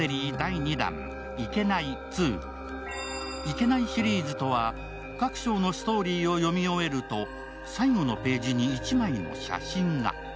「いけない」シリーズとは各章のストーリーを読み終えると最後のページに１枚の写真が。